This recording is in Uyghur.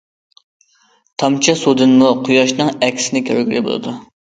تامچە سۇدىنمۇ قۇياشنىڭ ئەكسىنى كۆرگىلى بولىدۇ.